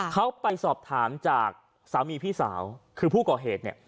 เขาไปสอบถามจากสามีพี่สาวคือผู้ก่อเหตุเนี่ย